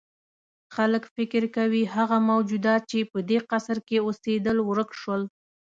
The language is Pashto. خلک فکر کوي هغه موجودات چې په دې قصر کې اوسېدل ورک شول.